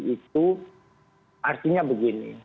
itu artinya begini